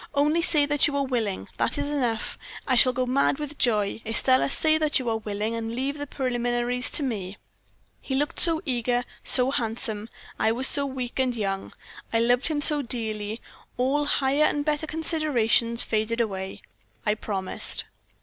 "'Only say that you are willing, that is enough. I shall go mad with joy! Estelle, say that you are willing, and leave the preliminaries to me.' "He looked so eager, so handsome; I was so weak and young. I loved him so dearly, all higher and better considerations faded away I promised."